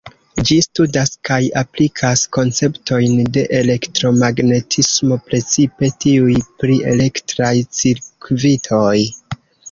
Ĝi studas kaj aplikas konceptojn de elektromagnetismo, precipe tiuj pri elektraj cirkvitoj.